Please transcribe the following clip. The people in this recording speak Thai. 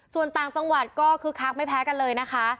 ส่วนต่างจังหวัดก็คึกคักไม่แพ้กันเลยนะคะ